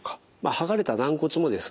剥がれた軟骨もですね